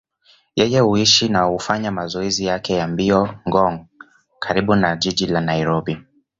Yeye huishi na hufanya mazoezi yake ya mbio Ngong, karibu na jiji la Nairobi.